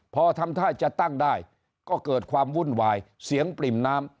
พอทำท่าจะตั้งได้ก็เกิดความวุ่นวายเสียงปริ่มน้ำ